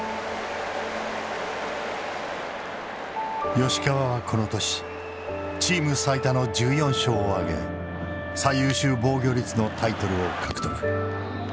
吉川はこの年チーム最多の１４勝を挙げ最優秀防御率のタイトルを獲得。